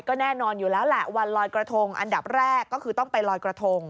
ก็แน่นอนอยู่แล้วแหละวันลอยกระทงอันดับแรกก็คือต้องไปลอยกระทง